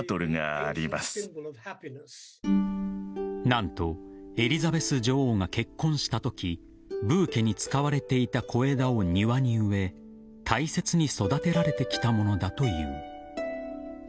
何とエリザベス女王が結婚したときブーケに使われていた小枝を庭に植え大切に育てられてきたものだという。